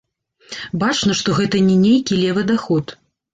Бачна, што гэта не нейкі левы даход.